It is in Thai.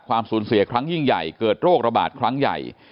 สูญเสียครั้งยิ่งใหญ่เกิดโรคระบาดครั้งใหญ่